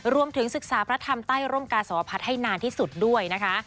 รวมถึงศึกษาพระธรรมใต้ร่มกาสวพัฒน์ให้นานที่สุดด้วยนะคะ